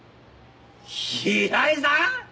平井さん？